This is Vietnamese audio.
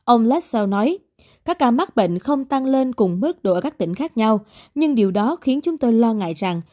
ông lassell nói các ca mắc bệnh không tăng lên cùng mức độ ở các tỉnh khác nhau nhưng điều đó khiến chúng tôi lo ngại rằng